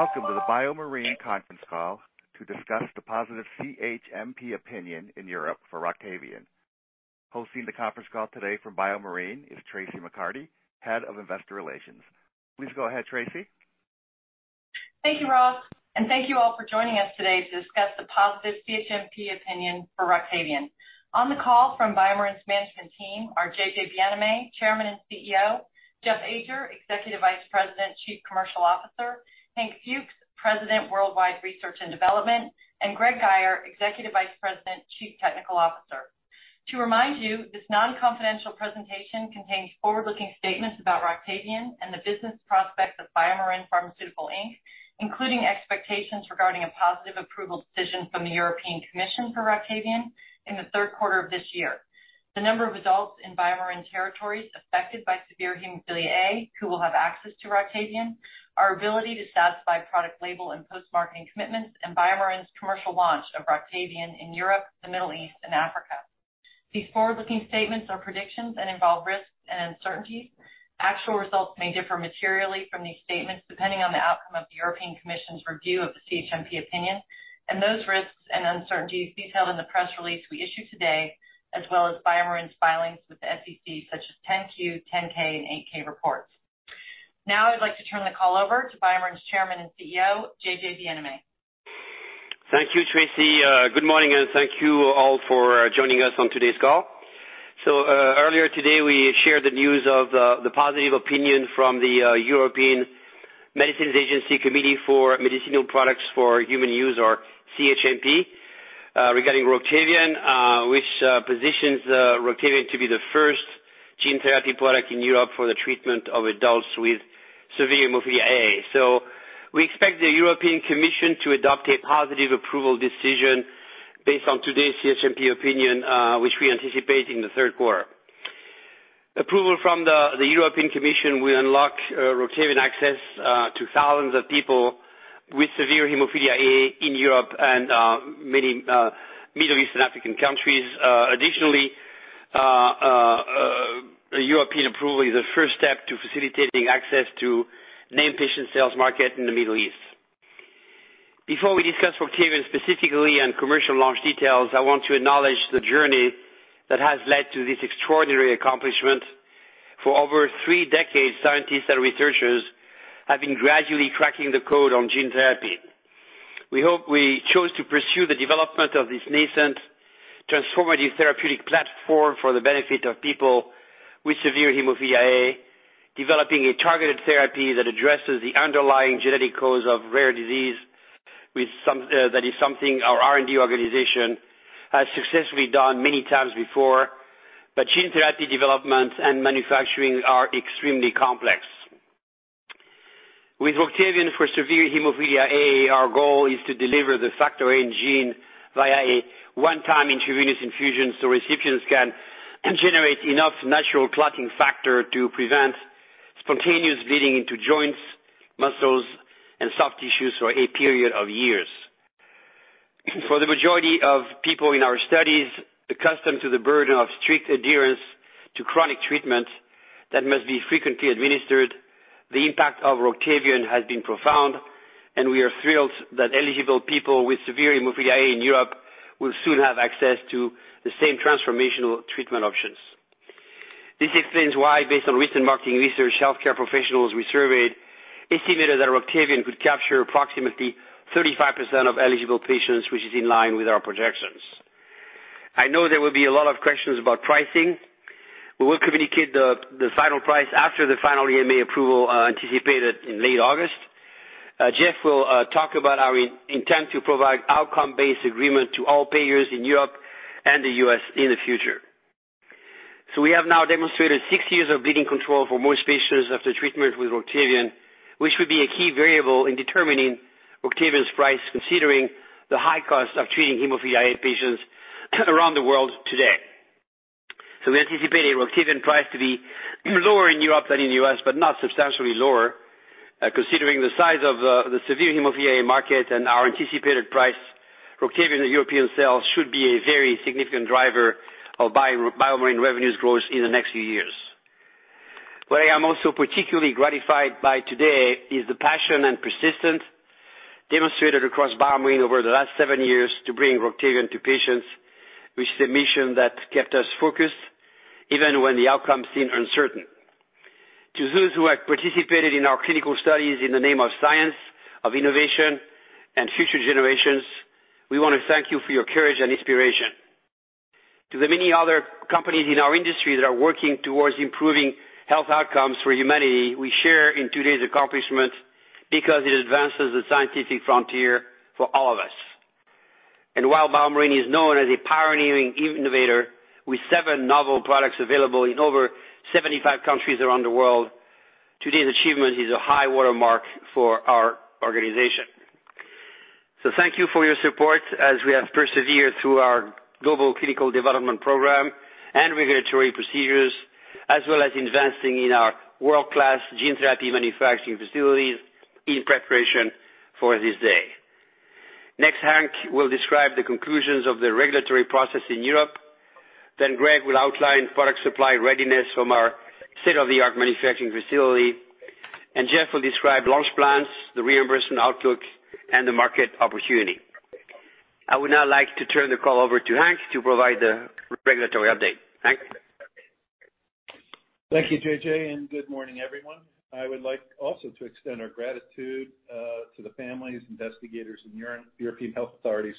Welcome to the BioMarin conference call to discuss the positive CHMP opinion in Europe for Roctavian. Hosting the conference call today from BioMarin is Traci McCarty, Head of Investor Relations. Please go ahead, Traci. Thank you, Ross, and thank you all for joining us today to discuss the positive CHMP opinion for Roctavian. On the call from BioMarin's management team are J.J. Bienaimé, Chairman and CEO, Jeff Ajer, Executive Vice President, Chief Commercial Officer, Hank Fuchs, President, Worldwide Research and Development, and Greg Guyer, Executive Vice President, Chief Technical Officer. To remind you, this non-confidential presentation contains forward-looking statements about Roctavian and the business prospects of BioMarin Pharmaceutical Inc., including expectations regarding a positive approval decision from the European Commission for Roctavian in the third quarter of this year, the number of adults in BioMarin territories affected by severe hemophilia A who will have access to Roctavian, our ability to satisfy product label and post-marketing commitments, and BioMarin's commercial launch of Roctavian in Europe, the Middle East, and Africa. These forward-looking statements are predictions and involve risks and uncertainties. Actual results may differ materially from these statements, depending on the outcome of the European Commission's review of the CHMP opinion and those risks and uncertainties detailed in the press release we issued today, as well as BioMarin's filings with the SEC, such as 10-Q, 10-K, and 8-K reports. Now, I'd like to turn the call over to BioMarin's Chairman and CEO, J.J. Bienaimé. Thank you, Traci. Good morning, and thank you all for joining us on today's call. Earlier today, we shared the news of the positive opinion from the European Medicines Agency Committee for Medicinal Products for Human Use, or CHMP, regarding Roctavian, which positions Roctavian to be the first gene therapy product in Europe for the treatment of adults with severe hemophilia A. We expect the European Commission to adopt a positive approval decision based on today's CHMP opinion, which we anticipate in the third quarter. Approval from the European Commission will unlock Roctavian access to thousands of people with severe hemophilia A in Europe and many Middle East and African countries. Additionally, a European approval is the first step to facilitating access to named patient sales market in the Middle East. Before we discuss Roctavian specifically on commercial launch details, I want to acknowledge the journey that has led to this extraordinary accomplishment. For over three decades, scientists and researchers have been gradually cracking the code on gene therapy. We hope we chose to pursue the development of this nascent transformative therapeutic platform for the benefit of people with severe hemophilia A, developing a targeted therapy that addresses the underlying genetic cause of rare disease that is something our R&D organization has successfully done many times before. Gene therapy development and manufacturing are extremely complex. With Roctavian for severe hemophilia A, our goal is to deliver the factor VIII gene via a one-time intravenous infusion so recipients can generate enough natural clotting factor to prevent spontaneous bleeding into joints, muscles, and soft tissues for a period of years. For the majority of people in our studies accustomed to the burden of strict adherence to chronic treatment that must be frequently administered, the impact of Roctavian has been profound, and we are thrilled that eligible people with severe hemophilia A in Europe will soon have access to the same transformational treatment options. This explains why, based on recent marketing research, healthcare professionals we surveyed estimated that Roctavian could capture approximately 35% of eligible patients, which is in line with our projections. I know there will be a lot of questions about pricing. We will communicate the final price after the final EMA approval, anticipated in late August. Jeff will talk about our intent to provide outcome-based agreement to all payers in Europe and the U.S. in the future. We have now demonstrated six years of bleeding control for most patients after treatment with Roctavian, which would be a key variable in determining Roctavian's price, considering the high cost of treating hemophilia A patients around the world today. We anticipated Roctavian price to be lower in Europe than in the U.S., but not substantially lower. Considering the size of the severe hemophilia A market and our anticipated price, Roctavian European sales should be a very significant driver of BioMarin revenues growth in the next few years. What I am also particularly gratified by today is the passion and persistence demonstrated across BioMarin over the last seven years to bring Roctavian to patients, which is a mission that kept us focused even when the outcome seemed uncertain. To those who have participated in our clinical studies in the name of science, of innovation, and future generations, we wanna thank you for your courage and inspiration. To the many other companies in our industry that are working towards improving health outcomes for humanity, we share in today's accomplishment because it advances the scientific frontier for all of us. While BioMarin is known as a pioneering innovator with seven novel products available in over 75 countries around the world, today's achievement is a high watermark for our organization. Thank you for your support as we have persevered through our global clinical development program and regulatory procedures, as well as investing in our world-class gene therapy manufacturing facilities in preparation for this day. Next, Hank will describe the conclusions of the regulatory process in Europe. Greg will outline product supply readiness from our state-of-the-art manufacturing facility. Jeff will describe launch plans, the reimbursement outlook, and the market opportunity. I would now like to turn the call over to Hank to provide the regulatory update. Hank? Thank you, J.J., and good morning, everyone. I would like also to extend our gratitude to the families, investigators, and European health authorities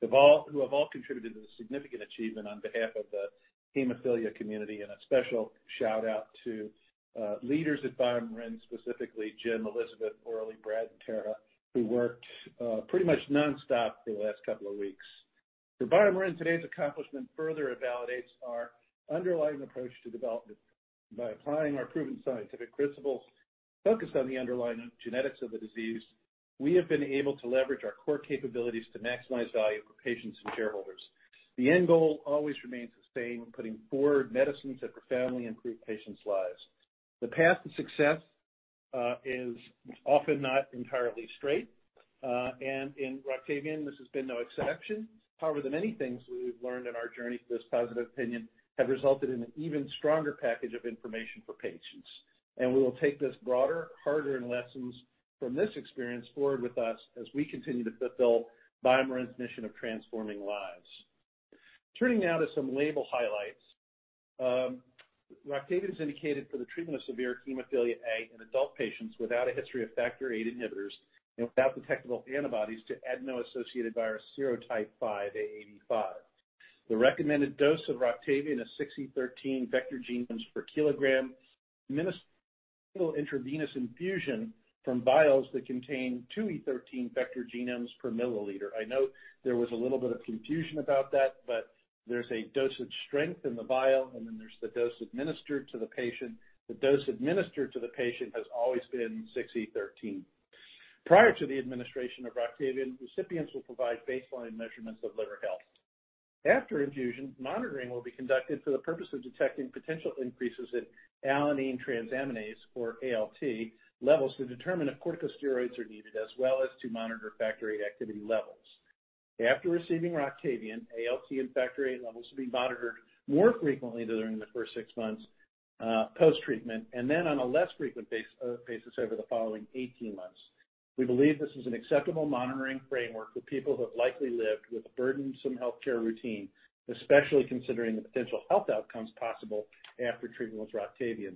who have all contributed to the significant achievement on behalf of the hemophilia community, and a special shout-out to leaders at BioMarin, specifically Jim, Elizabeth, Aurélie, Brad, and Tara, who worked pretty much nonstop for the last couple of weeks. For BioMarin, today's accomplishment further validates our underlying approach to development. By applying our proven scientific principles focused on the underlying genetics of the disease, we have been able to leverage our core capabilities to maximize value for patients and shareholders. The end goal always remains the same, putting forward medicines that profoundly improve patients' lives. The path to success is often not entirely straight, and in Roctavian, this has been no exception. However, the many things we've learned in our journey to this positive opinion have resulted in an even stronger package of information for patients. We will take this broader, harder, and lessons from this experience forward with us as we continue to fulfill BioMarin's mission of transforming lives. Turning now to some label highlights. Roctavian's indicated for the treatment of severe hemophilia A in adult patients without a history of factor VIII inhibitors and without detectable antibodies to adeno-associated virus serotype 5 AAV5. The recommended dose of Roctavian is [6x10^13] vector genomes per kilogram, administered intravenous infusion from vials that contain [2x10^13] vector genomes per milliliter. I know there was a little bit of confusion about that, but there's a dosage strength in the vial, and then there's the dose administered to the patient. The dose administered to the patient has always been [6x10^13]. Prior to the administration of Roctavian, recipients will provide baseline measurements of liver health. After infusion, monitoring will be conducted for the purpose of detecting potential increases in alanine transaminase, or ALT, levels to determine if corticosteroids are needed, as well as to monitor factor VIII activity levels. After receiving Roctavian, ALT and factor VIII levels will be monitored more frequently during the first six months post-treatment, and then on a less frequent basis over the following 18 months. We believe this is an acceptable monitoring framework for people who have likely lived with a burdensome healthcare routine, especially considering the potential health outcomes possible after treatment with Roctavian.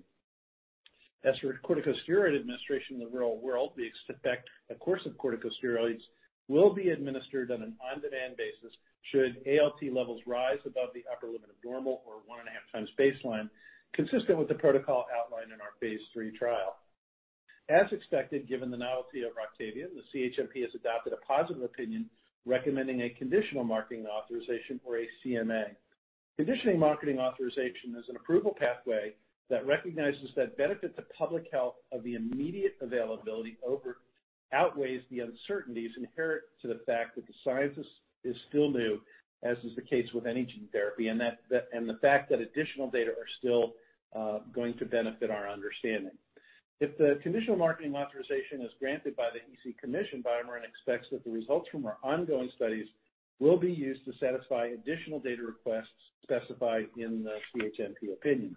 As for corticosteroid administration in the real world, the expected course of corticosteroids will be administered on an on-demand basis should ALT levels rise above the upper limit of normal or one and a half times baseline, consistent with the protocol outlined in our phase III trial. As expected, given the novelty of Roctavian, the CHMP has adopted a positive opinion recommending a conditional marketing authorization or a CMA. Conditional marketing authorization is an approval pathway that recognizes that benefit to public health of the immediate availability outweighs the uncertainties inherent to the fact that the science is still new, as is the case with any gene therapy, and that the fact that additional data are still going to benefit our understanding. If the conditional marketing authorization is granted by the European Commission, BioMarin expects that the results from our ongoing studies will be used to satisfy additional data requests specified in the CHMP opinion.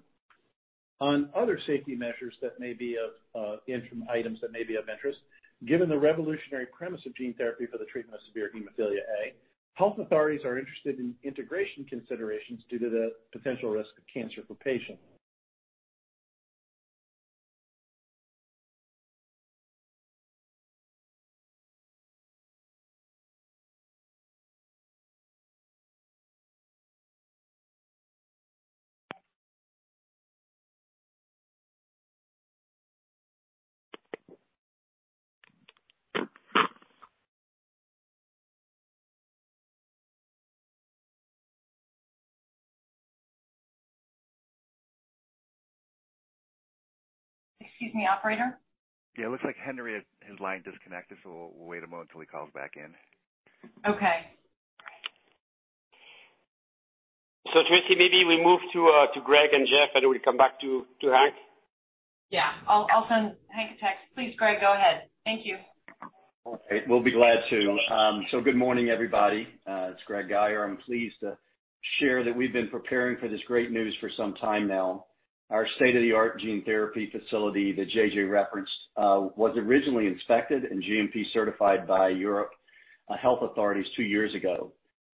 On other safety measures that may be of interest and items that may be of interest, given the revolutionary premise of gene therapy for the treatment of severe hemophilia A, health authorities are interested in integration considerations due to the potential risk of cancer for patients. Excuse me, operator? Yeah, it looks like Henry, his line disconnected, so we'll wait a moment till he calls back in. Okay. Traci, maybe we move to Greg and Jeff, and we'll come back to Hank. Yeah. I'll send Hank a text. Please, Greg, go ahead. Thank you. Okay. We'll be glad to. Good morning, everybody. It's Greg Guyer. I'm pleased to share that we've been preparing for this great news for some time now. Our state-of-the-art gene therapy facility that J.J. referenced was originally inspected and GMP certified by European health authorities two years ago.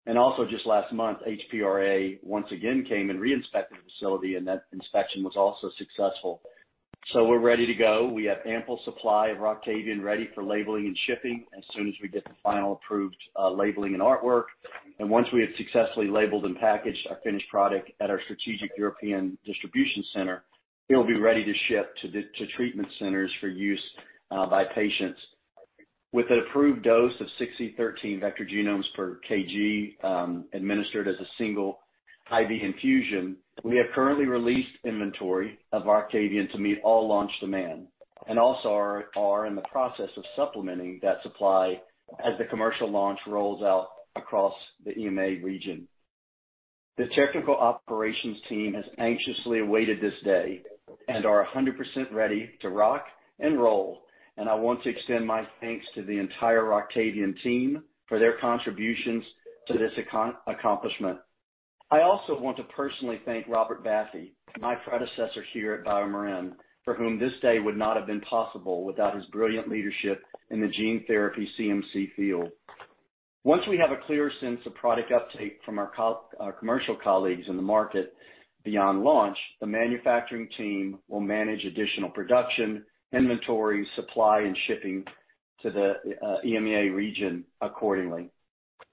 Also just last month, HPRA once again came and reinspected the facility, and that inspection was also successful. We're ready to go. We have ample supply of Roctavian ready for labeling and shipping as soon as we get the final approved labeling and artwork. Once we have successfully labeled and packaged our finished product at our strategic European distribution center, it'll be ready to ship to treatment centers for use by patients. With an approved dose of 6x10^13 vector genomes per kg, administered as a single IV infusion, we have currently released inventory of Roctavian to meet all launch demand, and also are in the process of supplementing that supply as the commercial launch rolls out across the EMA region. The technical operations team has anxiously awaited this day and are 100% ready to rock and roll. I want to extend my thanks to the entire Roctavian team for their contributions to this accomplishment. I also want to personally thank Robert Baffi, my predecessor here at BioMarin, for whom this day would not have been possible without his brilliant leadership in the gene therapy CMC field. Once we have a clearer sense of product uptake from our our commercial colleagues in the market beyond launch, the manufacturing team will manage additional production, inventory, supply and shipping to the EMEA region accordingly.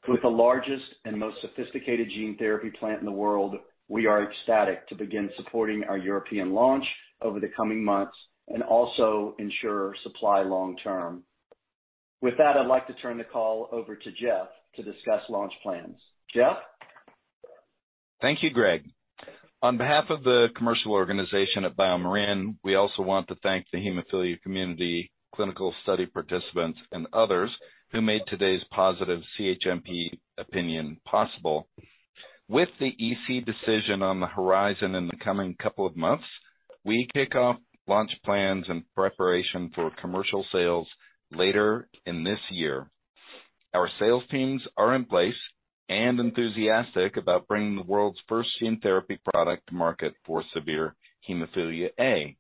With the largest and most sophisticated gene therapy plant in the world, we are ecstatic to begin supporting our European launch over the coming months and also ensure supply long term. With that, I'd like to turn the call over to Jeff to discuss launch plans. Jeff? Thank you, Greg. On behalf of the commercial organization at BioMarin, we also want to thank the hemophilia community, clinical study participants and others who made today's positive CHMP opinion possible. With the EC decision on the horizon in the coming couple of months, we kick off launch plans and preparation for commercial sales later in this year. Our sales teams are in place and enthusiastic about bringing the world's first gene therapy product to market for severe hemophilia A.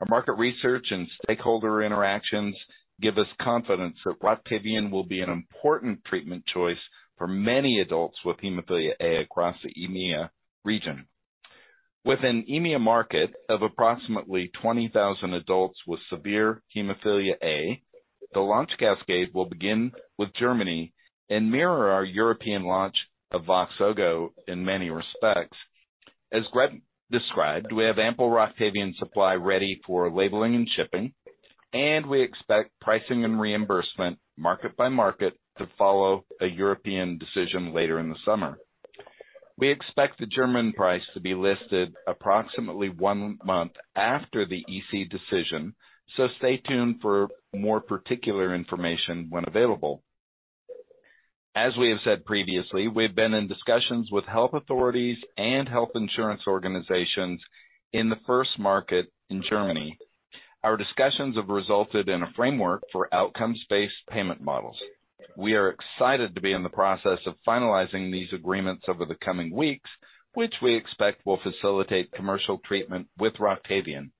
Our market research and stakeholder interactions give us confidence that Roctavian will be an important treatment choice for many adults with hemophilia A across the EMEA region. With an EMEA market of approximately 20,000 adults with severe hemophilia A, the launch cascade will begin with Germany and mirror our European launch of VOXZOGO in many respects. As Greg described, we have ample Roctavian supply ready for labeling and shipping, and we expect pricing and reimbursement market by market to follow a European decision later in the summer. We expect the German price to be listed approximately one month after the EC decision, so stay tuned for more particular information when available. As we have said previously, we've been in discussions with health authorities and health insurance organizations in the first market in Germany. Our discussions have resulted in a framework for outcomes-based payment models. We are excited to be in the process of finalizing these agreements over the coming weeks, which we expect will facilitate commercial treatment with Roctavian.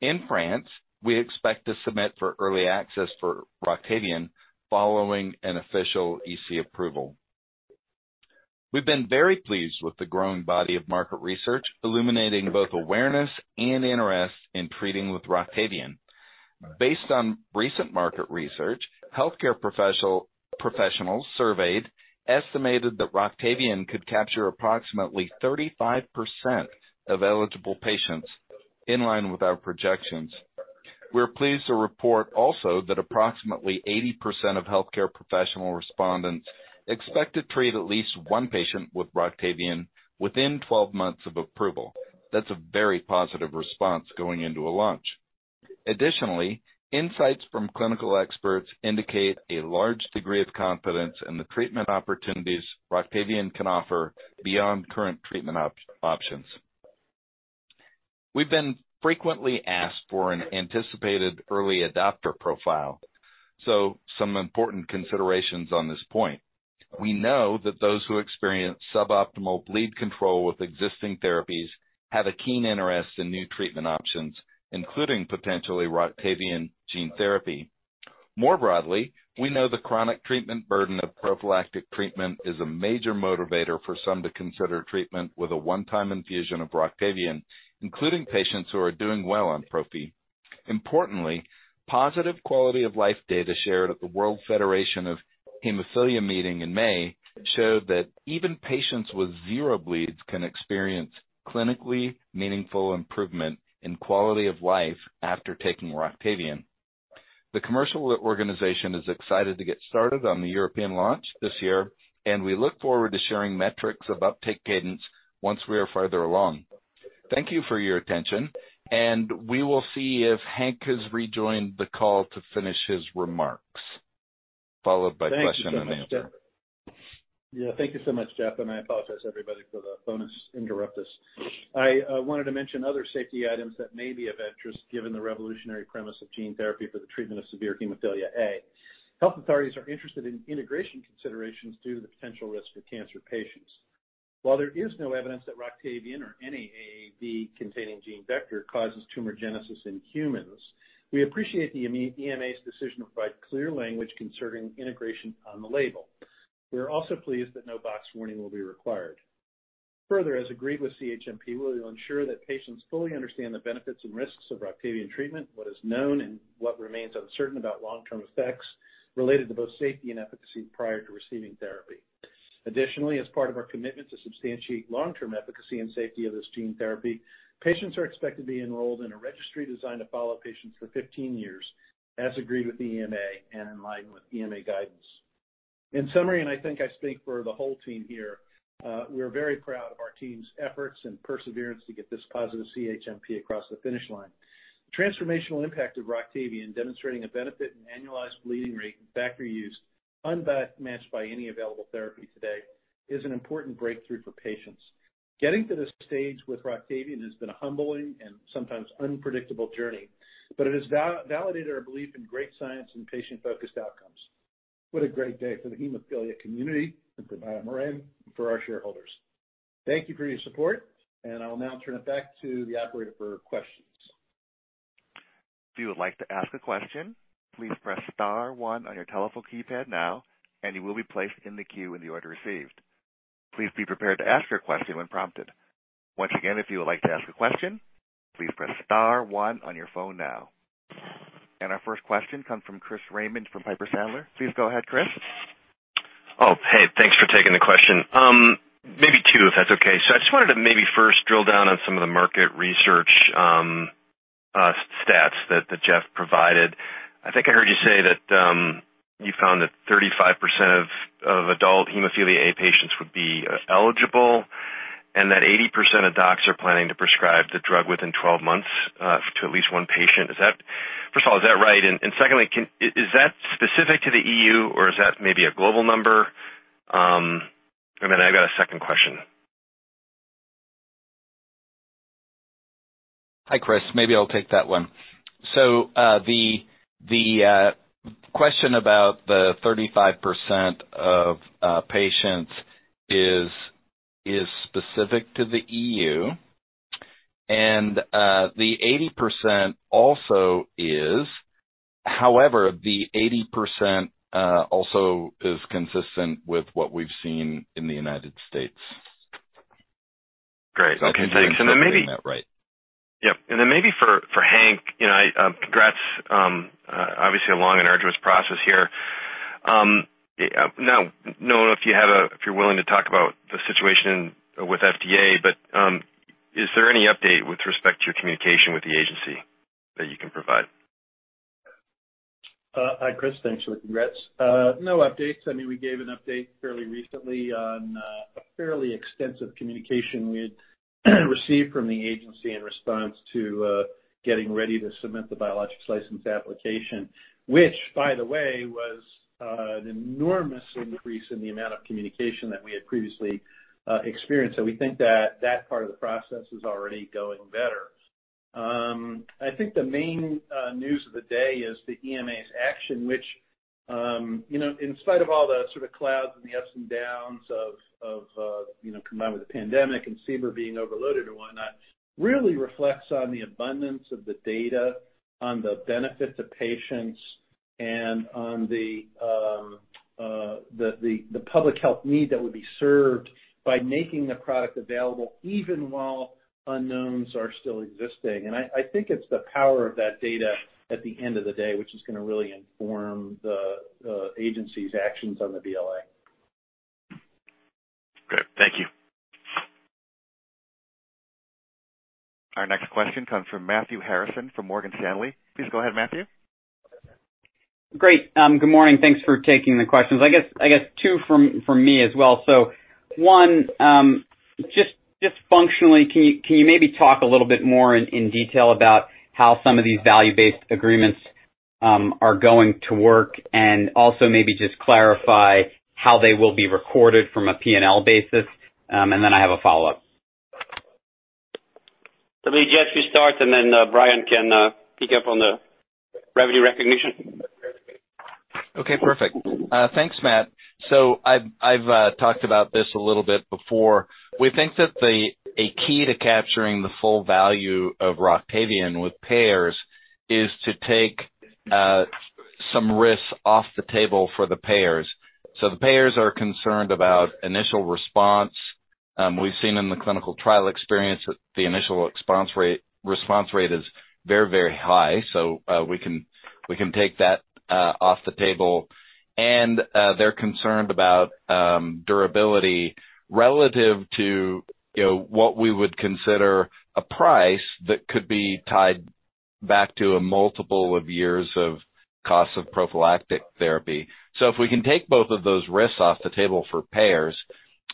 In France, we expect to submit for early access for Roctavian following an official EC approval. We've been very pleased with the growing body of market research illuminating both awareness and interest in treating with Roctavian. Based on recent market research, healthcare professionals surveyed estimated that Roctavian could capture approximately 35% of eligible patients in line with our projections. We're pleased to report also that approximately 80% of healthcare professional respondents expect to treat at least one patient with Roctavian within 12 months of approval. That's a very positive response going into a launch. Additionally, insights from clinical experts indicate a large degree of confidence in the treatment opportunities Roctavian can offer beyond current treatment options. We've been frequently asked for an anticipated early adopter profile, so some important considerations on this point. We know that those who experience suboptimal bleed control with existing therapies have a keen interest in new treatment options, including potentially Roctavian gene therapy. More broadly, we know the chronic treatment burden of prophylactic treatment is a major motivator for some to consider treatment with a one-time infusion of Roctavian, including patients who are doing well on prophy. Importantly, positive quality of life data shared at the World Federation of Hemophilia meeting in May showed that even patients with zero bleeds can experience clinically meaningful improvement in quality of life after taking Roctavian. The commercial organization is excited to get started on the European launch this year, and we look forward to sharing metrics of uptake cadence once we are further along. Thank you for your attention, and we will see if Hank has rejoined the call to finish his remarks, followed by question and answer. Thank you so much, Jeff. Thank you so much, Jeff, and I apologize everybody for the bonus interruptus. I wanted to mention other safety items that may be of interest given the revolutionary premise of gene therapy for the treatment of severe hemophilia A. Health authorities are interested in integration considerations due to the potential risk for cancer patients. While there is no evidence that Roctavian or any AAV containing gene vector causes tumorigenesis in humans, we appreciate the EMA's decision to provide clear language concerning integration on the label. We are also pleased that no box warning will be required. Further, as agreed with CHMP, we will ensure that patients fully understand the benefits and risks of Roctavian treatment, what is known and what remains uncertain about long-term effects related to both safety and efficacy prior to receiving therapy. Additionally, as part of our commitment to substantiate long-term efficacy and safety of this gene therapy, patients are expected to be enrolled in a registry designed to follow patients for 15 years, as agreed with EMA and in line with EMA guidance. In summary, and I think I speak for the whole team here, we are very proud of our team's efforts and perseverance to get this positive CHMP across the finish line. The transformational impact of Roctavian demonstrating a benefit in annualized bleeding rate and factor use Unmatched by any available therapy today is an important breakthrough for patients. Getting to this stage with Roctavian has been a humbling and sometimes unpredictable journey, but it has validated our belief in great science and patient-focused outcomes. What a great day for the hemophilia community and for BioMarin and for our shareholders. Thank you for your support, and I will now turn it back to the operator for questions. If you would like to ask a question, please press star one on your telephone keypad now, and you will be placed in the queue in the order received. Please be prepared to ask your question when prompted. Once again, if you would like to ask a question, please press star one on your phone now. Our first question comes from Chris Raymond from Piper Sandler. Please go ahead, Chris. Oh, hey, thanks for taking the question. Maybe two, if that's okay. I just wanted to maybe first drill down on some of the market research stats that Jeff provided. I think I heard you say that you found that 35% of adult hemophilia A patients would be eligible and that 80% of doctors are planning to prescribe the drug within 12 months to at least one patient. First of all, is that right? And secondly, is that specific to the EU or is that maybe a global number? I got a second question. Hi, Chris. Maybe I'll take that one. The question about the 35% of patients is specific to the EU and the 80% also is. However, the 80% also is consistent with what we've seen in the United States. Great. Okay, thanks. I think I'm interpreting that right. Yep. Then maybe for Hank, you know, congrats, obviously a long and arduous process here. Now, if you're willing to talk about the situation with FDA, but is there any update with respect to your communication with the agency that you can provide? Hi, Chris. Thanks, and congrats. No updates. I mean, we gave an update fairly recently on a fairly extensive communication we had received from the agency in response to getting ready to submit the Biologics License Application, which, by the way, was an enormous increase in the amount of communication that we had previously experienced. We think that that part of the process is already going better. I think the main news of the day is the EMA's action, which, you know, in spite of all the sort of clouds and the ups and downs of, you know, combined with the pandemic and CBER being overloaded or whatnot, really reflects on the abundance of the data on the benefit to patients and on the public health need that would be served by making the product available even while unknowns are still existing. I think it's the power of that data at the end of the day, which is gonna really inform the agency's actions on the BLA. Great. Thank you. Our next question comes from Matthew Harrison from Morgan Stanley. Please go ahead, Matthew. Great. Good morning. Thanks for taking the questions. I guess two from me as well. One, just functionally, can you maybe talk a little bit more in detail about how some of these value-based agreements are going to work? And also maybe just clarify how they will be recorded from a P&L basis, and then I have a follow-up. Maybe Jeff, you start, and then Brian can pick up on the revenue recognition. Okay, perfect. Thanks, Matt. I've talked about this a little bit before. We think that a key to capturing the full value of Roctavian with payers is to take some risks off the table for the payers. The payers are concerned about initial response. We've seen in the clinical trial experience that the initial response rate is very, very high. We can take that off the table. They're concerned about durability relative to, you know, what we would consider a price that could be tied back to a multiple of years of costs of prophylactic therapy. If we can take both of those risks off the table for payers,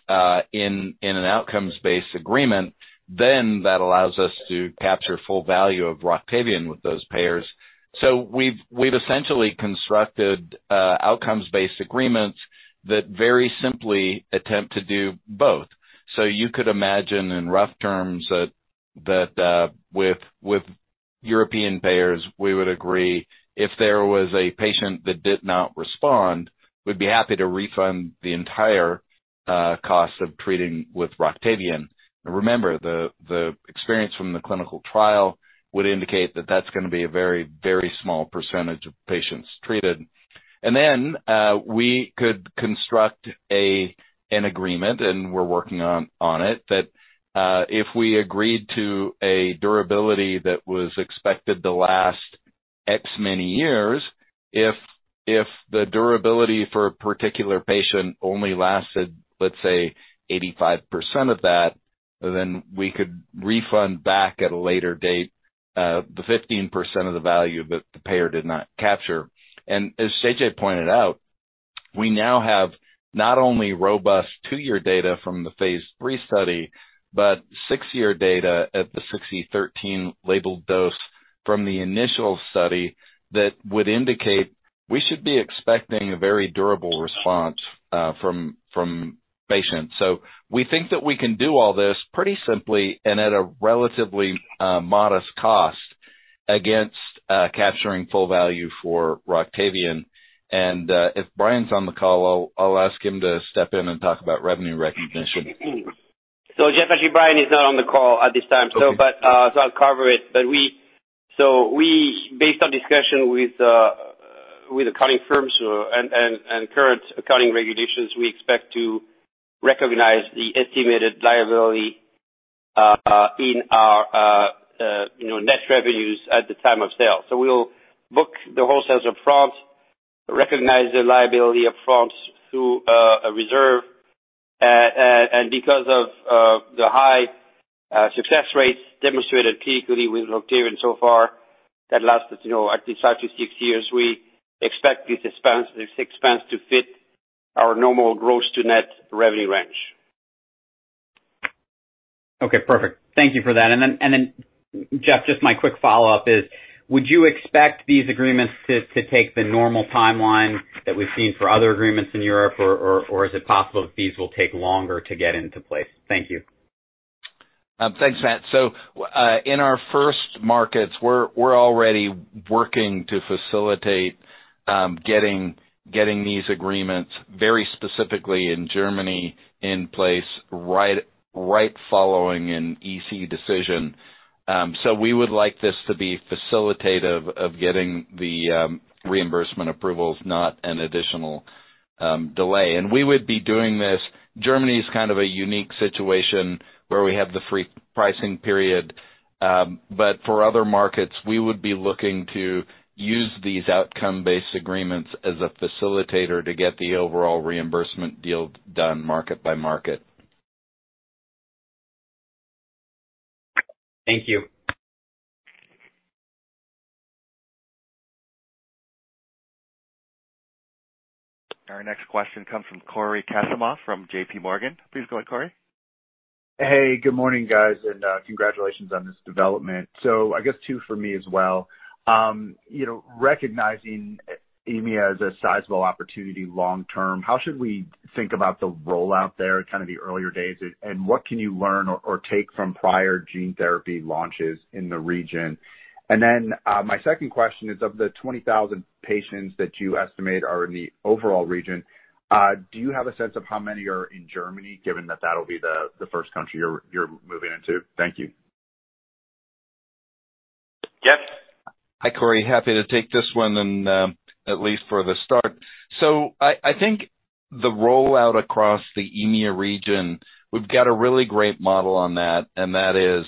in an outcomes-based agreement, then that allows us to capture full value of Roctavian with those payers. We've essentially constructed outcomes-based agreements that very simply attempt to do both. You could imagine in rough terms that, with European payers, we would agree if there was a patient that did not respond, we'd be happy to refund the entire cost of treating with Roctavian. Remember, the experience from the clinical trial would indicate that that's gonna be a very, very small percentage of patients treated. We could construct an agreement, and we're working on it, that if we agreed to a durability that was expected to last X many years, if the durability for a particular patient only lasted, let's say, 85% of that, then we could refund back at a later date the 15% of the value that the payer did not capture. As J.J. Pointed out, we now have not only robust two-year data from the phase III study, but six-year data at the 6x10^13 labeled dose from the initial study that would indicate we should be expecting a very durable response from patients. We think that we can do all this pretty simply and at a relatively modest cost against capturing full value for Roctavian. If Brian's on the call, I'll ask him to step in and talk about revenue recognition. Jeff, actually Brian is not on the call at this time. I'll cover it. Based on discussion with accounting firms and current accounting regulations, we expect to recognize the estimated liability in our net revenues at the time of sale. We'll book the whole sales up front, recognize the liability up front through a reserve. Because of the high success rates demonstrated clinically with Roctavian so far that lasted, at least five-six years, we expect this expense to fit our normal gross to net revenue range. Okay, perfect. Thank you for that. Jeff, just my quick follow-up is, would you expect these agreements to take the normal timeline that we've seen for other agreements in Europe? Or is it possible that these will take longer to get into place? Thank you. Thanks, Matt. In our first markets, we're already working to facilitate getting these agreements very specifically in Germany in place right following an EC decision. We would like this to be facilitative of getting the reimbursement approval, if not an additional delay. We would be doing this. Germany is kind of a unique situation where we have the free pricing period. For other markets, we would be looking to use these outcome-based agreements as a facilitator to get the overall reimbursement deal done market by market. Thank you. Our next question comes from Cory Kasimov from JPMorgan. Please go ahead, Cory. Hey, good morning, guys, and congratulations on this development. I guess two for me as well. Recognizing EMEA as a sizable opportunity long term, how should we think about the rollout there, kind of the earlier days? And what can you learn or take from prior gene therapy launches in the region? And then my second question is, of the 20,000 patients that you estimate are in the overall region, do you have a sense of how many are in Germany, given that that'll be the first country you're moving into? Thank you. Jeff. Hi, Cory. Happy to take this one and, at least for the start. I think the rollout across the EMEA region, we've got a really great model on that, and that is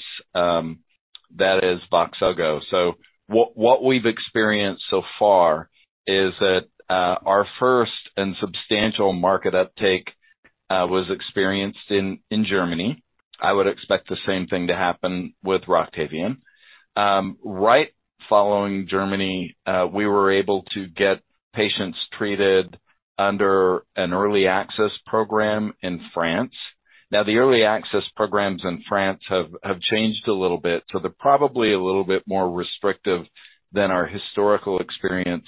VOXZOGO. What we've experienced so far is that, our first and substantial market uptake was experienced in Germany. I would expect the same thing to happen with Roctavian. Right following Germany, we were able to get patients treated under an early access program in France. Now, the early access programs in France have changed a little bit, so they're probably a little bit more restrictive than our historical experience.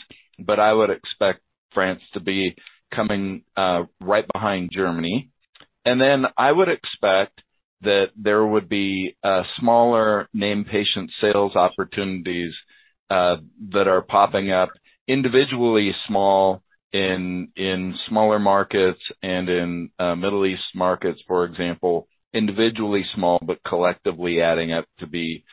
I would expect France to be coming right behind Germany. I would expect that there would be smaller named patient sales opportunities that are popping up individually small in smaller markets and in Middle East markets, for example, individually small, but collectively adding up to be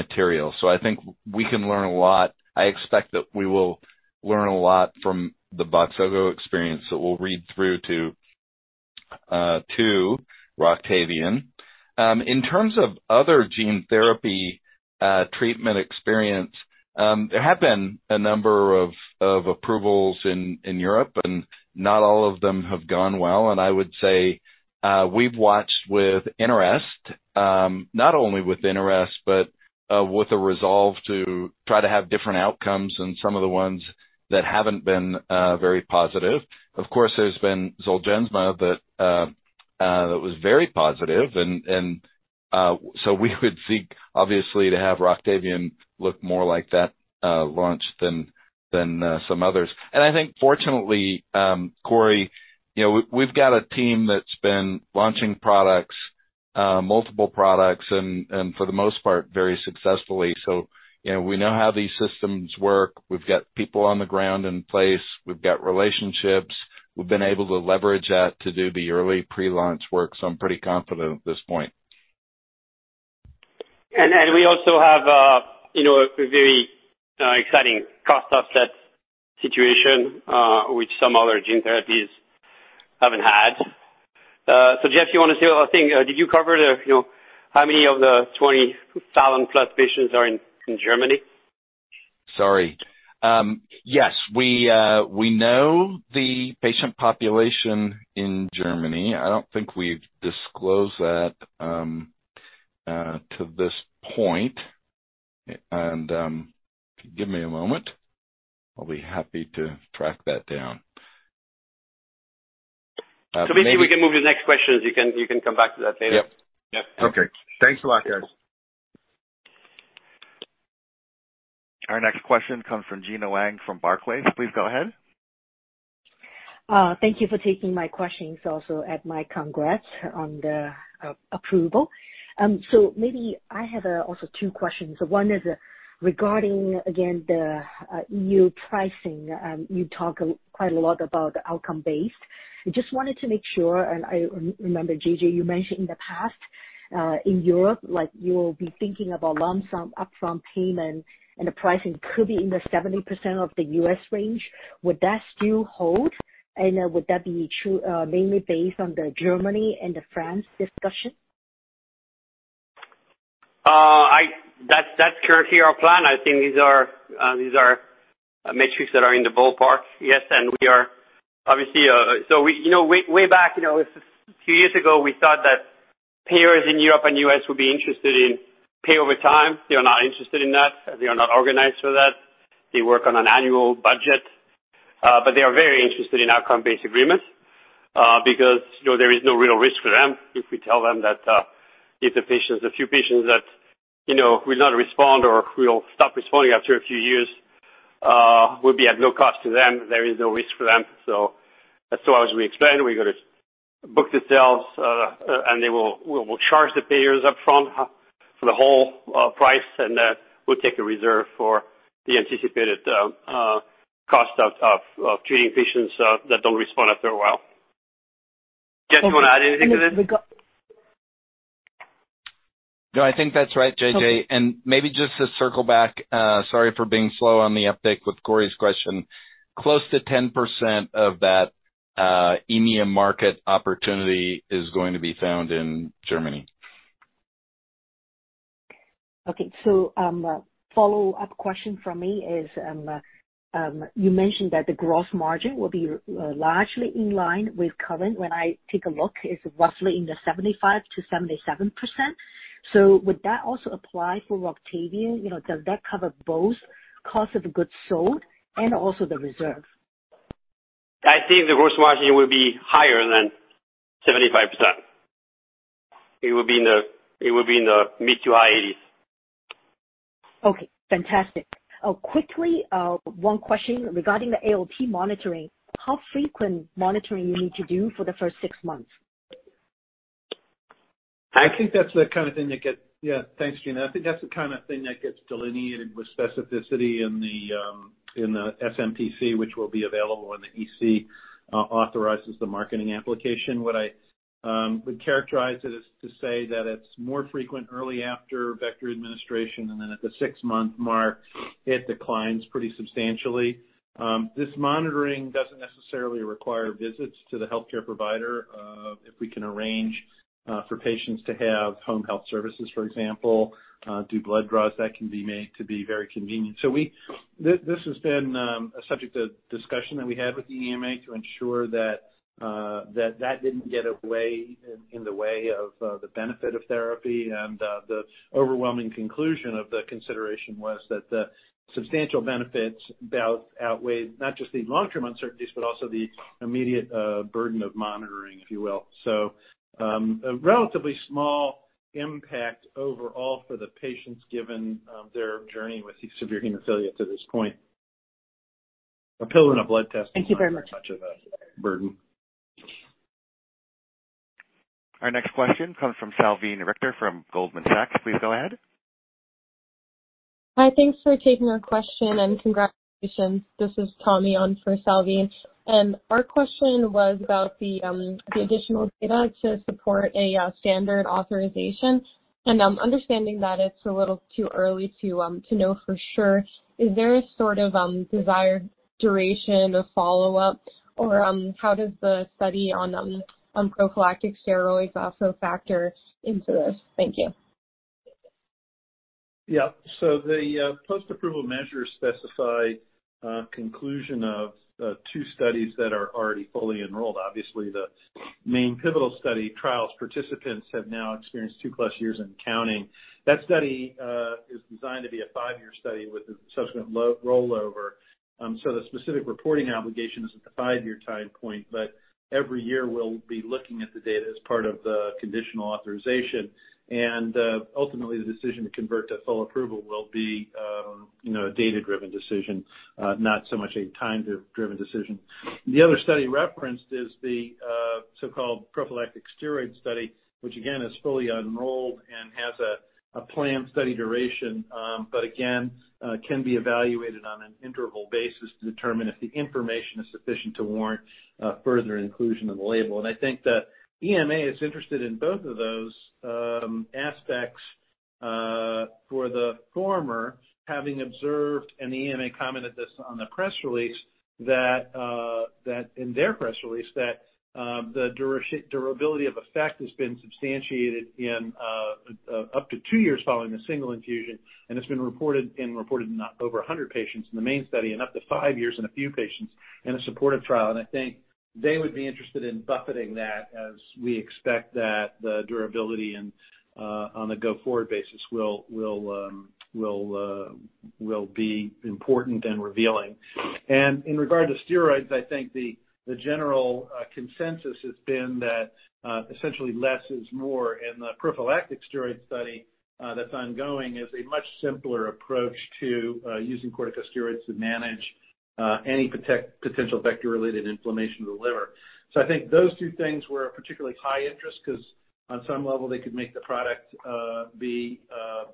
material. I think we can learn a lot. I expect that we will learn a lot from the VOXZOGO experience that we'll read through to Roctavian. In terms of other gene therapy treatment experience, there have been a number of approvals in Europe, and not all of them have gone well. I would say we've watched with interest, not only with interest but with a resolve to try to have different outcomes than some of the ones that haven't been very positive. Of course, there's been Zolgensma that was very positive and so we would seek obviously to have Roctavian look more like that launch than some others. I think fortunately, Cory, we've got a team that's been launching products multiple products and for the most part very successfully. You know, we know how these systems work. We've got people on the ground in place. We've got relationships. We've been able to leverage that to do the early pre-launch work. I'm pretty confident at this point. We also have a very exciting cost offset situation, which some other gene therapies haven't had. Jeff, you wanna say one more thing? Did you cover, how many of the 20,000+ patients are in Germany? Sorry. Yes, we know the patient population in Germany. I don't think we've disclosed that to this point. Give me a moment. I'll be happy to track that down. Maybe we can move to the next question, you can come back to that later. Yep. Yep. Okay. Thanks a lot, guys. Our next question comes from Gena Wang from Barclays. Please go ahead. Thank you for taking my questions. Also add my congrats on the approval. Maybe I have also two questions. One is regarding, again, the EU pricing. You talk quite a lot about outcome-based. I just wanted to make sure, and I remember, J.J., you mentioned in the past, in Europe, like you'll be thinking about lump sum, upfront payment, and the pricing could be in the 70% of the U.S. range. Would that still hold? Would that be true, mainly based on the Germany and the France discussion? That's currently our plan. I think these are metrics that are in the ballpark. Yes. We are obviously, you know, way back, a few years ago, we thought that payers in Europe and U.S. would be interested in pay over time. They are not interested in that. They are not organized for that. They work on an annual budget, but they are very interested in outcome-based agreements, because, there is no real risk for them if we tell them that, if the patients, a few patients that, will not respond or will stop responding after a few years, will be at no cost to them, there is no risk for them. As far as we explained, we're gonna book the sales, and we'll charge the payers upfront for the whole price, and we'll take a reserve for the anticipated cost of treating patients that don't respond after a while. Jeff, do you want to add anything to this? No, I think that's right, J.J. Maybe just to circle back, sorry for being slow on the uptake with Cory's question. Close to 10% of that EMEA market opportunity is going to be found in Germany. Okay. Follow-up question from me is, you mentioned that the gross margin will be largely in line with current. When I take a look, it's roughly in the 75%-77%. Would that also apply for Roctavian? You know, does that cover both cost of goods sold and also the reserve? I think the gross margin will be higher than 75%. It will be in the mid to high 80s%. Okay, fantastic. Quickly, one question regarding the ALT monitoring. How frequent monitoring you need to do for the first six months? Thanks, Gena. I think that's the kind of thing that gets delineated with specificity in the SMPC, which will be available when the EC authorizes the marketing application. What I would characterize it as is to say that it's more frequent early after vector administration, and then at the six-month mark, it declines pretty substantially. This monitoring doesn't necessarily require visits to the healthcare provider. If we can arrange for patients to have home health services, for example, do blood draws, that can be made to be very convenient. This has been a subject of discussion that we had with the EMA to ensure that that didn't get in the way of the benefit of therapy. The overwhelming conclusion of the consideration was that the substantial benefits outweighed, not just the long-term uncertainties, but also the immediate burden of monitoring, if you will. A relatively small impact overall for the patients given their journey with severe hemophilia to this point. A pill and a blood test is not much of a burden. Thank you very much. Our next question comes from Salveen Richter from Goldman Sachs. Please go ahead. Hi. Thanks for taking our question and congratulations. This is Tommy on for Salveen. Our question was about the additional data to support a standard authorization. Understanding that it's a little too early to know for sure, is there a sort of desired duration of follow-up or how does the study on prophylactic steroids also factor into this? Thank you. Yeah. The post-approval measures specify conclusion of two studies that are already fully enrolled. Obviously, the main pivotal study trial participants have now experienced 2+ years and counting. That study is designed to be a five-year study with a subsequent rollover. The specific reporting obligation is at the five-year time point, but every year we'll be looking at the data as part of the conditional authorization. Ultimately, the decision to convert to full approval will be a data-driven decision, not so much a time-driven decision. The other study referenced is the so-called prophylactic steroid study, which again is fully enrolled and has a planned study duration, but again, can be evaluated on an interval basis to determine if the information is sufficient to warrant further inclusion in the label. I think the EMA is interested in both of those aspects, for the former, having observed, and EMA commented this in their press release, that the durability of effect has been substantiated in up to two years following a single infusion, and it's been reported in over 100 patients in the main study and up to five years in a few patients in a supportive trial. I think they would be interested in bolstering that as we expect that the durability and on the go-forward basis will be important and revealing. In regard to steroids, I think the general consensus has been that essentially less is more in the prophylactic steroid study that's ongoing is a much simpler approach to using corticosteroids to manage any potential vector-related inflammation of the liver. I think those two things were of particularly high interest 'cause on some level they could make the product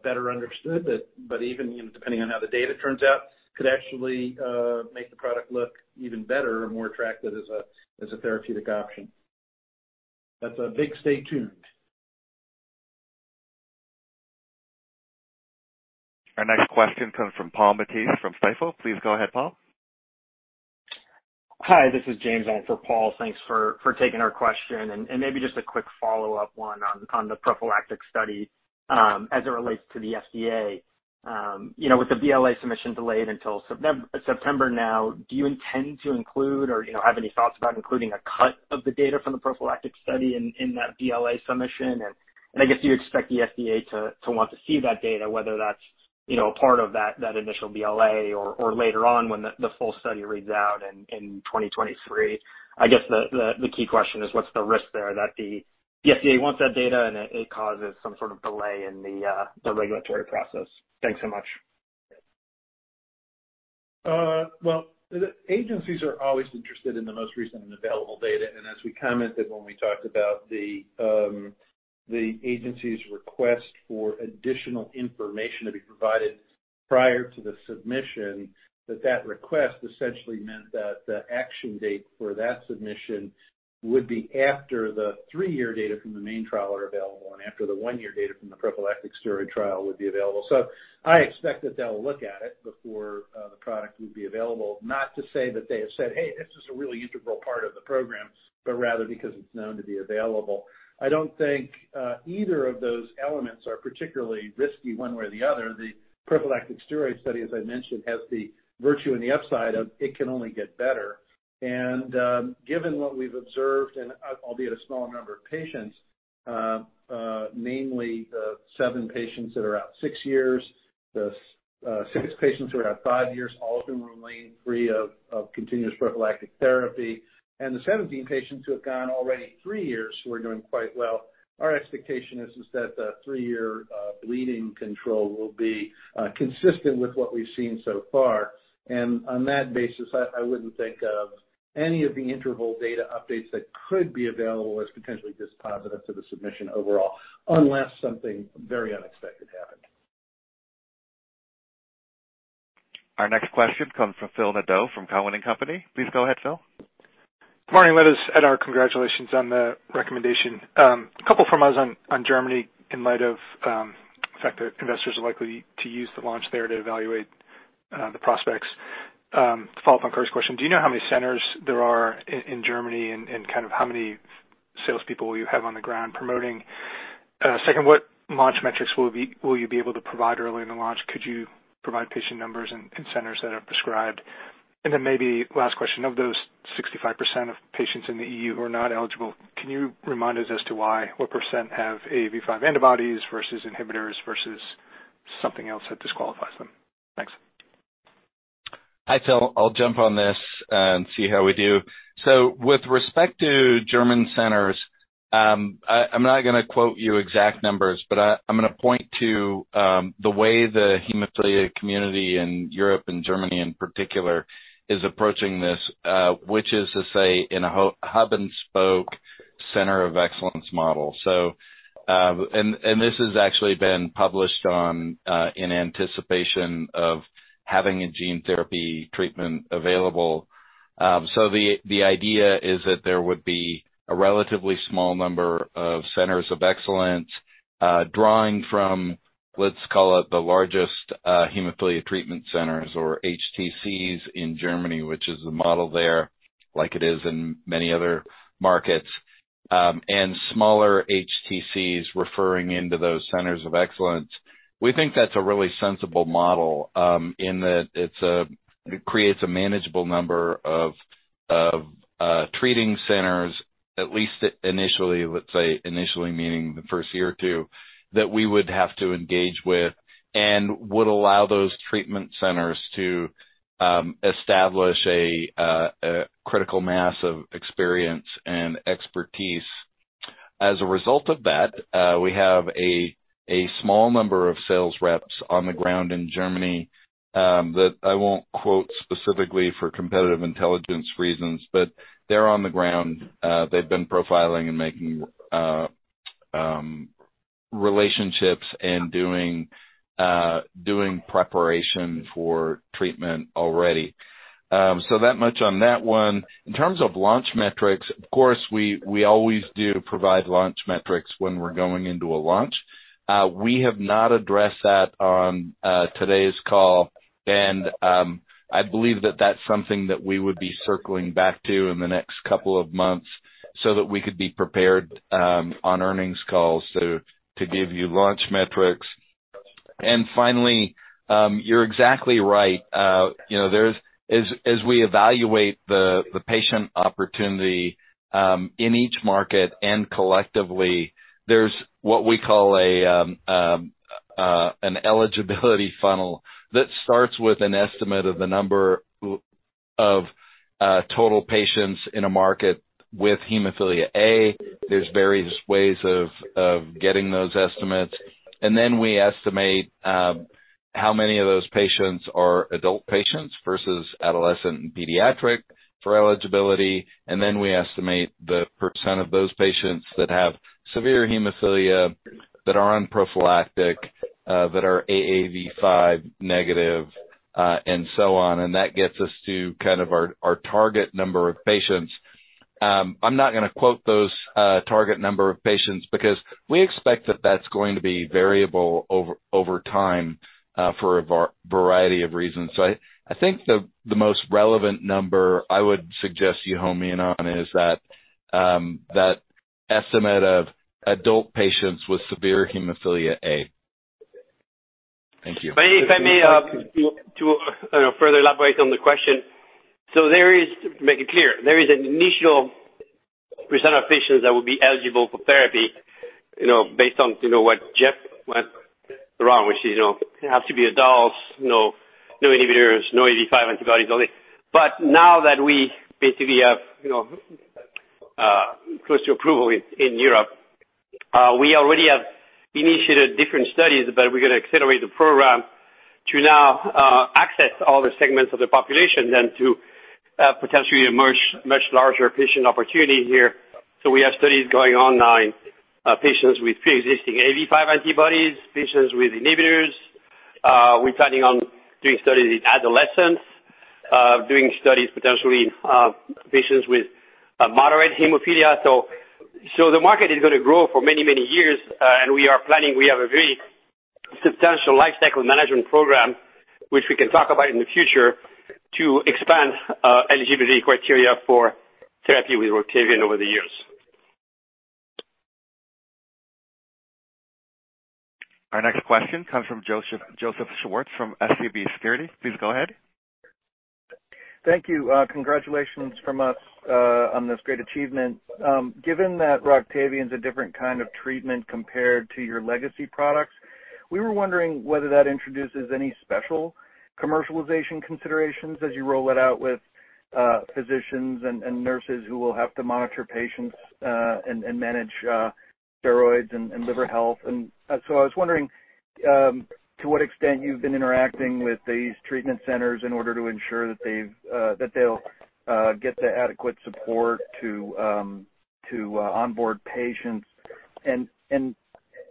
better understood. Even, you know, depending on how the data turns out, could actually make the product look even better or more attractive as a therapeutic option. That's a big stay tuned. Our next question comes from Paul Matteis from Stifel. Please go ahead, Paul. Hi, this is James in for Paul. Thanks for taking our question and maybe just a quick follow-up one on the prophylactic study as it relates to the FDA. You know, with the BLA submission delayed until September now, do you intend to include or, you know, have any thoughts about including a cut of the data from the prophylactic study in that BLA submission? And I guess, do you expect the FDA to want to see that data, whether that's, you know, a part of that initial BLA or later on when the full study reads out in 2023? I guess the key question is what's the risk there that the FDA wants that data and it causes some sort of delay in the regulatory process. Thanks so much. Well, the agencies are always interested in the most recent and available data, and as we commented when we talked about the agency's request for additional information to be provided prior to the submission, that request essentially meant that the action date for that submission would be after the three-year data from the main trial are available and after the one-year data from the prophylactic steroid trial would be available. I expect that they'll look at it before the product would be available, not to say that they have said, "Hey, this is a really integral part of the program," but rather because it's known to be available. I don't think either of those elements are particularly risky one way or the other. The prophylactic steroid study, as I mentioned, has the virtue and the upside of it can only get better. Given what we've observed and albeit a smaller number of patients, namely the seven patients that are out six years, the six patients who are out five years, all of whom remain free of continuous prophylactic therapy, and the 17 patients who have gone already three years who are doing quite well, our expectation is that the three-year bleeding control will be consistent with what we've seen so far. On that basis, I wouldn't think of any of the interim data updates that could be available as potentially dispositive to the submission overall, unless something very unexpected happened. Our next question comes from Phil Nadeau from TD Cowen. Please go ahead, Phil. Morning. Let us add our congratulations on the recommendation. A couple from us on Germany in light of the fact that investors are likely to use the launch there to evaluate the prospects. To follow up on 's question, do you know how many centers there are in Germany and kind of how many salespeople you have on the ground promoting? Second, what launch metrics will you be able to provide early in the launch? Could you provide patient numbers and centers that have prescribed? Then maybe last question, of those 65% of patients in the EU who are not eligible, can you remind us as to why? What percent have AAV5 antibodies versus inhibitors versus something else that disqualifies them? Thanks. Hi, Phil Nadeau. I'll jump on this and see how we do. With respect to German centers, I'm not gonna quote you exact numbers, but I'm gonna point to the way the hemophilia community in Europe and Germany in particular is approaching this, which is to say in a hub-and-spoke center of excellence model. This has actually been published in anticipation of having a gene therapy treatment available. The idea is that there would be a relatively small number of centers of excellence, drawing from, let's call it the largest hemophilia treatment centers or HTCs in Germany, which is the model there, like it is in many other markets, and smaller HTCs referring into those centers of excellence. We think that's a really sensible model in that it creates a manageable number of treatment centers, at least initially, let's say, meaning the first year or two, that we would have to engage with and would allow those treatment centers to establish a critical mass of experience and expertise. As a result of that, we have a small number of sales reps on the ground in Germany that I won't quote specifically for competitive intelligence reasons, but they're on the ground. They've been profiling and making relationships and doing preparation for treatment already. That much on that one. In terms of launch metrics, of course, we always do provide launch metrics when we're going into a launch. We have not addressed that on today's call. I believe that that's something that we would be circling back to in the next couple of months so that we could be prepared on earnings calls to give you launch metrics. Finally, you're exactly right. There's, as we evaluate the patient opportunity in each market and collectively there's what we call an eligibility funnel that starts with an estimate of the number of total patients in a market with hemophilia A. There's various ways of getting those estimates. Then we estimate how many of those patients are adult patients versus adolescent and pediatric for eligibility. We estimate the percent of those patients that have severe hemophilia that are on prophylactic that are AAV5 negative, and so on. That gets us to kind of our target number of patients. I'm not gonna quote those target number of patients because we expect that that's going to be variable over time, for a variety of reasons. I think the most relevant number I would suggest you home in on is that estimate of adult patients with severe hemophilia A. Thank you. If I may, to further elaborate on the question. There is, to make it clear, there is an initial percentage of patients that will be eligible for therapy, based on, you know, Jeff went around, which is, it has to be adults, no inhibitors, no [AAV5] antibodies, all this. Now that we basically have close to approval in Europe, we already have initiated different studies, but we're gonna accelerate the program to now access all the segments of the population and to potentially emerge much larger patient opportunity here. We have studies going on now in patients with preexisting [AAV5] antibodies, patients with inhibitors. We're planning on doing studies in adolescents, doing studies potentially in patients with moderate hemophilia. The market is gonna grow for many, many years, and we have a very substantial lifecycle management program, which we can talk about in the future to expand eligibility criteria for therapy with Roctavian over the years. Our next question comes from Joseph Schwartz from SVB Securities. Please go ahead. Thank you. Congratulations from us on this great achievement. Given that Roctavian is a different kind of treatment compared to your legacy products, we were wondering whether that introduces any special commercialization considerations as you roll it out with physicians and nurses who will have to monitor patients and manage steroids and liver health. I was wondering to what extent you've been interacting with these treatment centers in order to ensure that they'll get the adequate support to onboard patients.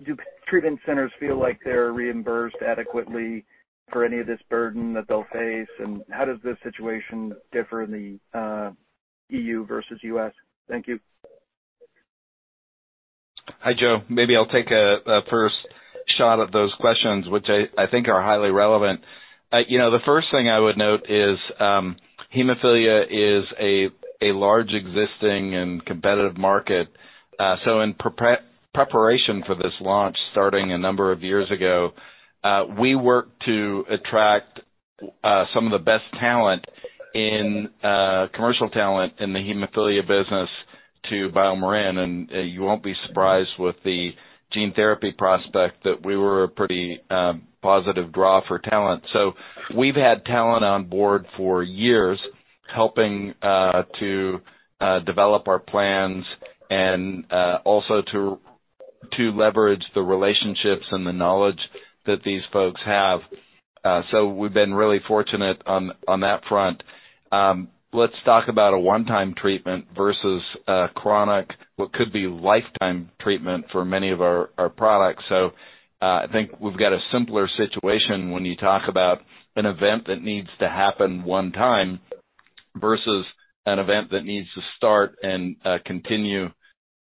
Do treatment centers feel like they're reimbursed adequately for any of this burden that they'll face? How does this situation differ in the EU versus U.S.? Thank you. Hi, Joe. Maybe I'll take a first shot at those questions, which I think are highly relevant. You know, the first thing I would note is, hemophilia is a large existing and competitive market. So in preparation for this launch, starting a number of years ago, we worked to attract some of the best talent in commercial talent in the hemophilia business to BioMarin. You won't be surprised with the gene therapy prospect that we were a pretty positive draw for talent. So we've had talent on board for years, helping to develop our plans and also to leverage the relationships and the knowledge that these folks have. So we've been really fortunate on that front. Let's talk about a one-time treatment versus a chronic, what could be lifetime treatment for many of our products. I think we've got a simpler situation when you talk about an event that needs to happen one time versus an event that needs to start and continue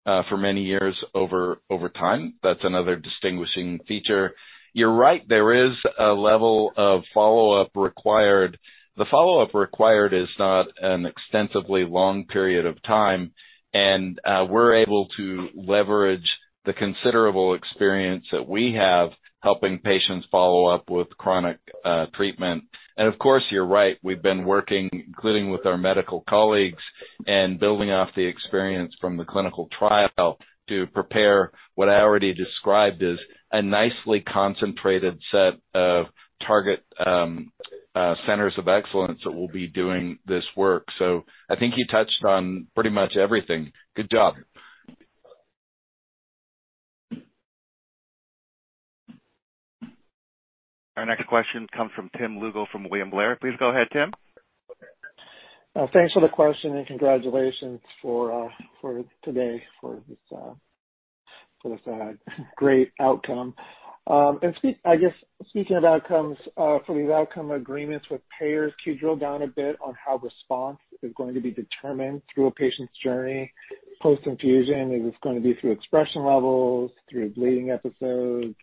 for many years over time. That's another distinguishing feature. You're right, there is a level of follow-up required. The follow-up required is not an extensively long period of time, and we're able to leverage the considerable experience that we have helping patients follow up with chronic treatment. Of course, you're right, we've been working, including with our medical colleagues and building off the experience from the clinical trial to prepare what I already described as a nicely concentrated set of target centers of excellence that will be doing this work. I think you touched on pretty much everything. Good job. Our next question comes from Tim Lugo from William Blair. Please go ahead, Tim. Thanks for the question, and congratulations for today for this great outcome. I guess speaking of outcomes, for these outcome agreements with payers, can you drill down a bit on how response is going to be determined through a patient's journey post-infusion? Is this gonna be through expression levels, through bleeding episodes,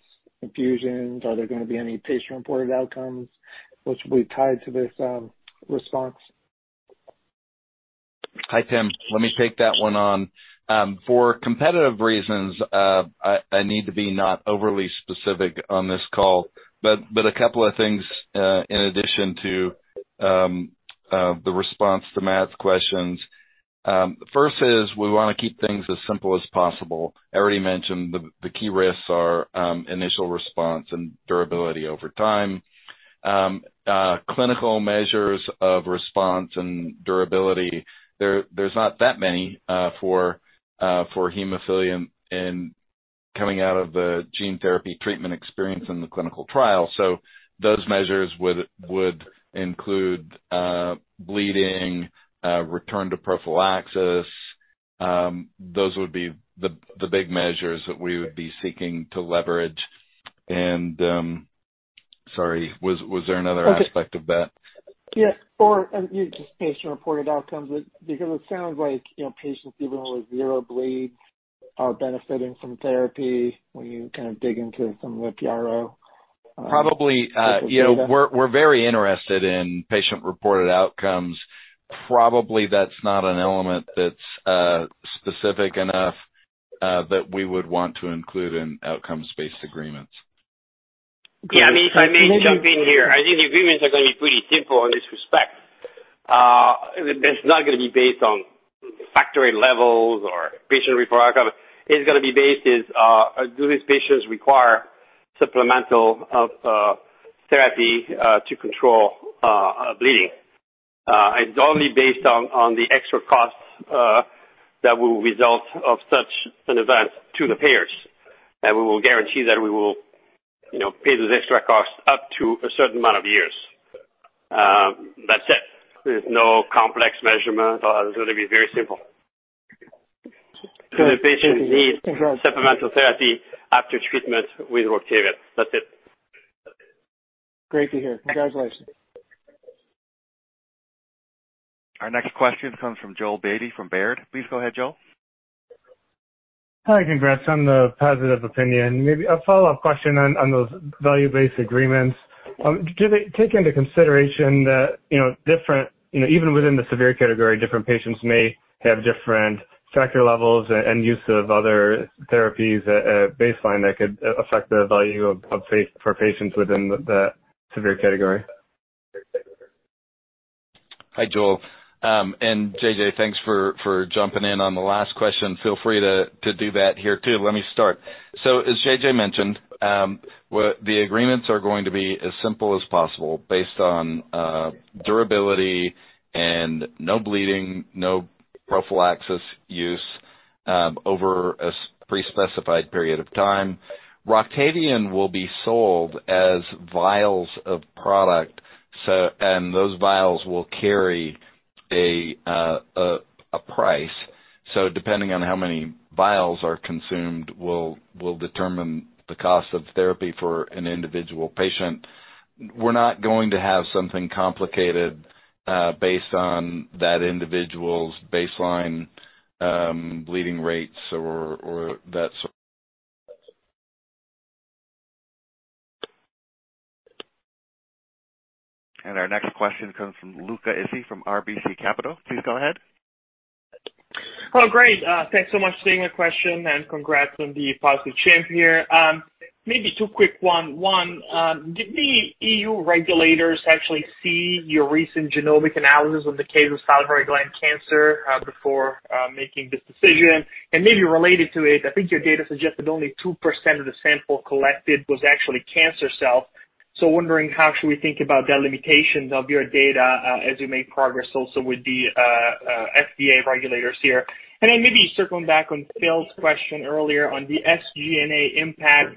infusions? Are there gonna be any patient-reported outcomes which will be tied to this response? Hi, Tim. Let me take that one on. For competitive reasons, I need to be not overly specific on this call, but a couple of things in addition to the response to Matt's questions. First is we wanna keep things as simple as possible. I already mentioned the key risks are initial response and durability over time. Clinical measures of response and durability. There, there's not that many for hemophilia and coming out of the gene therapy treatment experience in the clinical trial. So those measures would include bleeding, return to prophylaxis. Those would be the big measures that we would be seeking to leverage. Sorry, was there another aspect of that? Just patient-reported outcomes, but because it sounds like, you know, patients even with zero bleeds are benefiting from therapy when you kind of dig into some of the PRO. Probably. You know, we're very interested in patient-reported outcomes. Probably that's not an element that's specific enough that we would want to include in outcomes-based agreements. Yeah, if I may jump in here, I think the agreements are gonna be pretty simple in this respect. It's not gonna be based on factor levels or patient-reported outcome. It's gonna be based on whether these patients require supplemental therapy to control bleeding. It's only based on the extra costs that will result from such an event to the payers. We will guarantee that we will, pay those extra costs up to a certain amount of years. That's it, there's no complex measurement. It's gonna be very simple. The patients need supplemental therapy after treatment with Roctavian. That's it. Great to hear. Congratulations. Our next question comes from Joel Beatty from Baird. Please go ahead, Joel. Hi. Congrats on the positive opinion. Maybe a follow-up question on those value-based agreements. Do they take into consideration that different, you know, even within the severe category, different patients may have different factor levels and use of other therapies at baseline that could affect the value of factor for patients within the severe category? Hi, Joel. And J.J., thanks for jumping in on the last question, feel free to do that here too. Let me start. As J.J. mentioned, what the agreements are going to be as simple as possible based on durability and no bleeding, no prophylaxis use over a pre-specified period of time. Roctavian will be sold as vials of product, so and those vials will carry a price. Depending on how many vials are consumed will determine the cost of therapy for an individual patient. We're not going to have something complicated based on that individual's baseline bleeding rates or that so... Our next question comes from Luca Issi from RBC Capital Markets. Please go ahead. Oh, great. Thanks so much for taking the question, and congrats on the positive CHMP here. Maybe two quick ones. One, did the EU regulators actually see your recent genomic analysis of the case of salivary gland cancer before making this decision? Maybe related to it, I think your data suggested only 2% of the sample collected was actually cancer cells. Wondering, how should we think about the limitations of your data as you make progress also with the FDA regulators here? Maybe circling back on Phil's question earlier on the SG&A impact,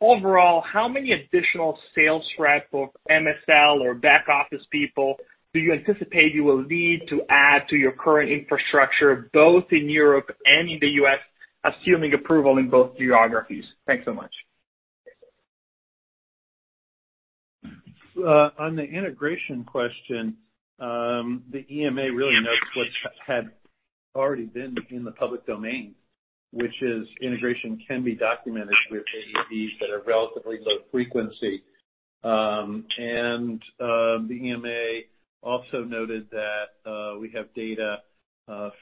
overall, how many additional sales reps of MSL or back-office people do you anticipate you will need to add to your current infrastructure, both in Europe and in the U.S., assuming approval in both geographies? Thanks so much. On the integration question, the EMA really notes what had already been in the public domain, which is integration can be documented with AAVs that are relatively low frequency. The EMA also noted that we have data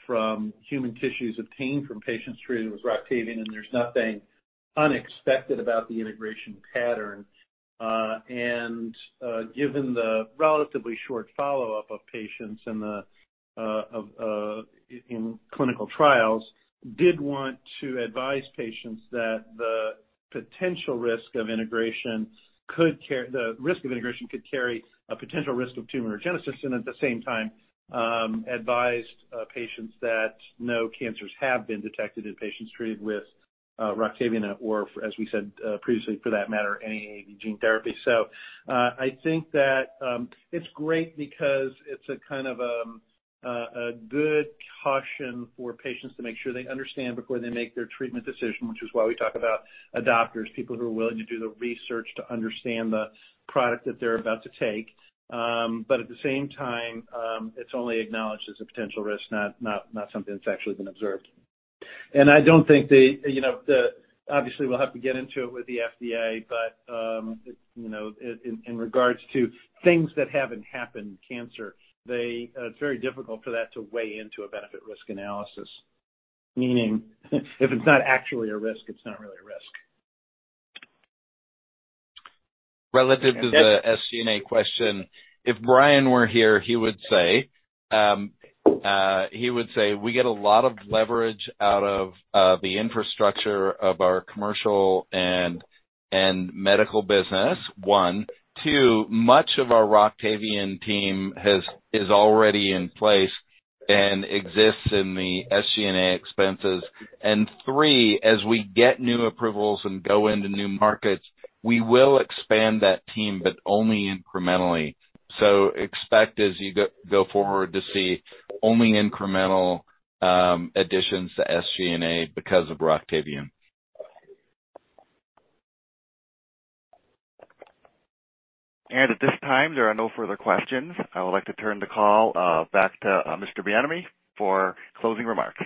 from human tissues obtained from patients treated with Roctavian, and there's nothing unexpected about the integration pattern. Given the relatively short follow-up of patients in clinical trials, did want to advise patients that the risk of integration could carry a potential risk of tumorigenesis and at the same time advised patients that no cancers have been detected in patients treated with Roctavian or as we said, previously for that matter, any AAV gene therapy. I think that it's great because it's a kind of, a good caution for patients to make sure they understand before they make their treatment decision, which is why we talk about adopters, people who are willing to do the research to understand the product that they're about to take. But at the same time, it's only acknowledged as a potential risk, not something that's actually been observed. I don't think they, you know, obviously we'll have to get into it with the FDA, but in regards to things that haven't happened, cancer, it's very difficult for that to weigh into a benefit risk analysis. Meaning, if it's not actually a risk, it's not really a risk. Relative to the SG&A question, if Brian were here, he would say, we get a lot of leverage out of the infrastructure of our commercial and medical business, one. Two, much of our Roctavian team is already in place and exists in the SG&A expenses. Three, as we get new approvals and go into new markets, we will expand that team, but only incrementally. Expect as you go forward to see only incremental additions to SG&A because of Roctavian. At this time, there are no further questions. I would like to turn the call back to Mr. Bienaimé for closing remarks.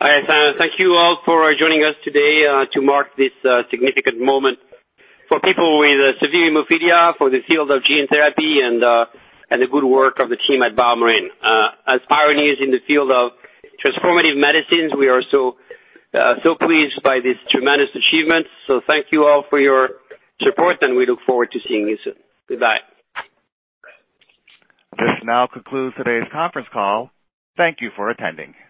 All right. Thank you all for joining us today, to mark this significant moment for people with severe hemophilia, for the field of gene therapy and the good work of the team at BioMarin. As pioneers in the field of transformative medicines, we are so pleased by this tremendous achievement. Thank you all for your support and we look forward to seeing you soon. Goodbye. This now concludes today's conference call. Thank you for attending.